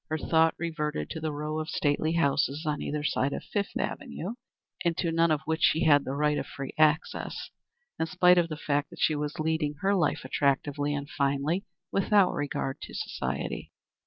Her thought reverted to the row of stately houses on either side of Fifth Avenue, into none of which she had the right of free access, in spite of the fact that she was leading her life attractively and finely, without regard to society.